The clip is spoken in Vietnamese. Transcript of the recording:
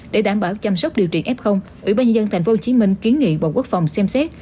để đảm bảo chăm sóc điều trị f ủy ban nhân dân tp hcm kiến nghị bộ quốc phòng xem xét